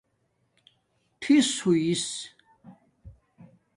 ٹِھس ھݸس